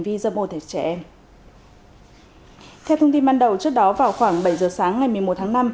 vi dâm ô thể trẻ em theo thông tin ban đầu trước đó vào khoảng bảy giờ sáng ngày một mươi một tháng năm